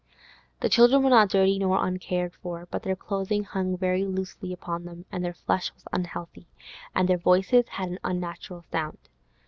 The children were not dirty nor uncared for, but their clothing hung very loosely upon them; their flesh was unhealthy, their voices had an unnatural sound.